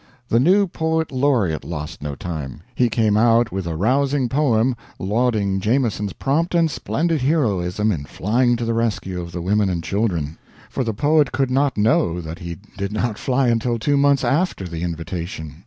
The new poet laureate lost no time. He came out with a rousing poem lauding Jameson's prompt and splendid heroism in flying to the rescue of the women and children; for the poet could not know that he did not fly until two months after the invitation.